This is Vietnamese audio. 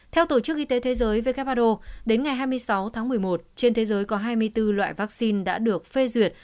theo tổ chức y tế thế giới who đến ngày hai mươi sáu tháng một mươi một trên thế giới có hai mươi bốn loại vaccine đã được phê duyệt